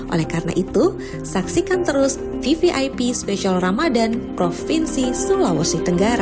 oleh karena itu saksikan terus vvip spesial ramadan provinsi sulawesi tenggara